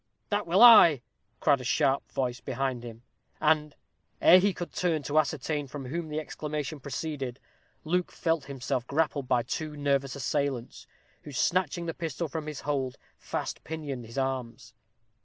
"That will I!" cried a sharp voice behind him; and, ere he could turn to ascertain from whom the exclamation proceeded, Luke felt himself grappled by two nervous assailants, who, snatching the pistol from his hold, fast pinioned his arms.